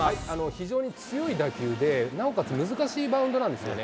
非常に強い打球で、なおかつ難しいバウンドなんですよね。